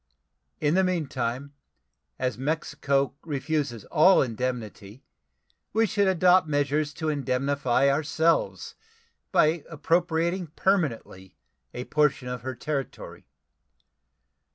In the meantime, as Mexico refuses all indemnity, we should adopt measures to indemnify ourselves by appropriating permanently a portion of her territory.